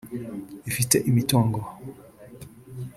ifite imitungo